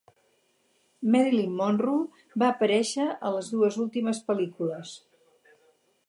Marilyn Monroe va aparèixer a les dues últimes pel·lícules.